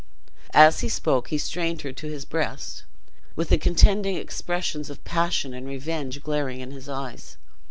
As he spoke, he strained her to his breast, with the contending expressions of passion and revenge glaring in his eyes.